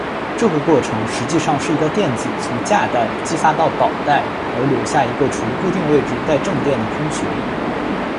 这个过程实际上是一个电子从价带激发到导带而留下一个处于固定位置带正电的空穴。